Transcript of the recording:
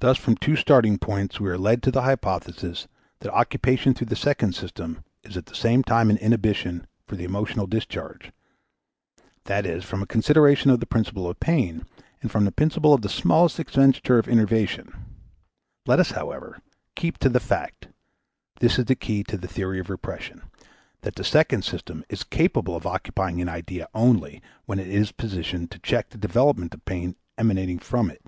Thus from two starting points we are led to the hypothesis that occupation through the second system is at the same time an inhibition for the emotional discharge, viz. from a consideration of the principle of pain and from the principle of the smallest expenditure of innervation. Let us, however, keep to the fact this is the key to the theory of repression that the second system is capable of occupying an idea only when it is in position to check the development of pain emanating from it.